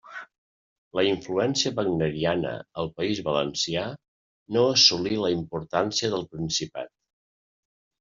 La influència wagneriana al País Valencià no assolí la importància del Principat.